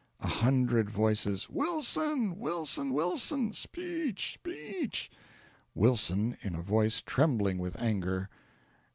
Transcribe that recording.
A Hundred Voices. "Wilson! Wilson! Wilson! Speech! Speech!" Wilson (in a voice trembling with anger).